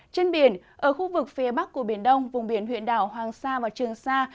trên biển ở khu vực phía bắc của biển đông vùng biển huyện đảo hoàng sa và trường sa